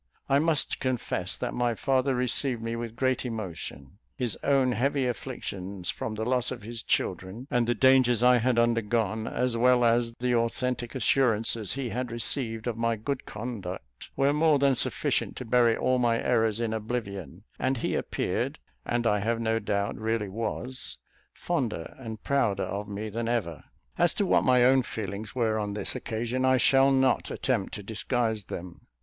I must confess that my father received me with great emotion; his own heavy afflictions from the loss of his children, and the dangers I had undergone, as well as the authentic assurances he had received of my good conduct were more than sufficient to bury all my errors in oblivion; and he appeared, and I have no doubt really was, fonder and prouder of me than ever. As to what my own feelings were on this occasion, I shall not attempt to disguise them.